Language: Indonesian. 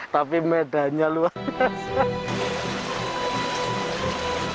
tapi medanya luar biasa